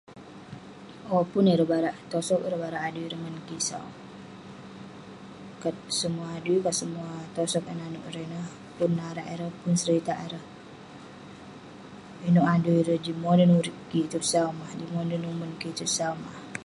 Owk pun ireh barak tosog, ireh barak adui ireh ngan kik sau. kAt semuah adui, kat semuah tosog eh nanouk ireh ineh pun neh arak ireh, pun neh seritak ireh. Inouk adui ireh jin monen urip kik itouk sau mah, jin umon kik itouk sau mah.